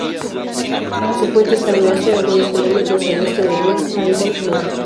Su fuente está en Austria, algunos kilómetros al este de Bruck an der Mur.